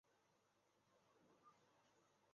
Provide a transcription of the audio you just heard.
但不久管理层便发表公告澄清并否认有关事件。